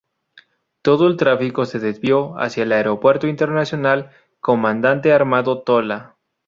Todo el tráfico se desvió hacia el aeropuerto internacional Comandante Armando Tola.